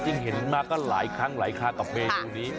จริงเห็นมาก็หลายครั้งหลายคากับเมนูนี้